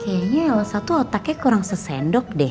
kayanya elsa tuh otaknya kurang sesendok deh